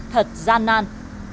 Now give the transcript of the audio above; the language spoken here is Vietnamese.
thật gian nan